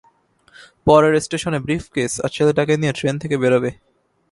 পরের স্টেশনে ব্রিফকেস আর ছেলেটাকে নিয়ে ট্রেন থেকে বেরোবে।